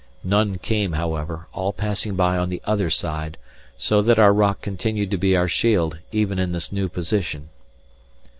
None came, however, all passing by on the other side; so that our rock continued to be our shield even in this new position.